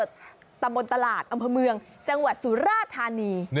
ตำบลตลาดอำเภอเมืองจังหวัดสุราธานี